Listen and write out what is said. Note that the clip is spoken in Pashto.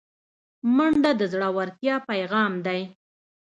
منډه د زړورتیا پیغام دی